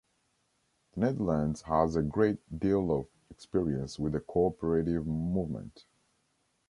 The Netherlands has a great deal of experience with the cooperative movement.